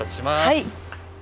はい。